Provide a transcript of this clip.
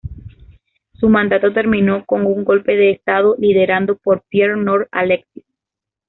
Su mandato terminó con un golpe de Estado liderado por Pierre Nord Alexis.